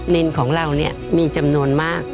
นินของเราเนี่ยมีจำนวนมาก